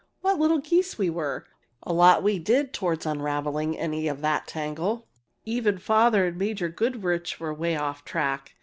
What little geese we were! A lot we did toward unraveling any of that tangle! Even father and Major Goodrich were way off the track.